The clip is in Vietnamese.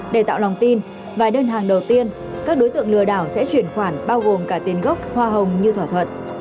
để tạo lòng tin vài đơn hàng đầu tiên các đối tượng lừa đảo sẽ chuyển khoản bao gồm cả tiền gốc hoa hồng như thỏa thuận